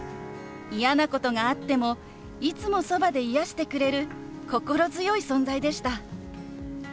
嫌なことがあってもいつもそばで癒やしてくれる心強い存在でした。